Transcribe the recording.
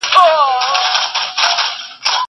زه اوس ونې ته اوبه ورکوم!!